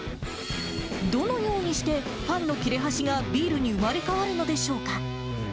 どのようにしてパンの切れ端がビールに生まれ変わるのでしょうか。